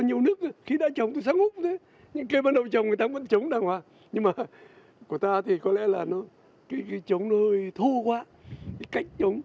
nhưng cây bắt đầu trồng người ta vẫn chống đàng hoàng nhưng mà của ta thì có lẽ là cái chống nó hơi thô quá cái cách chống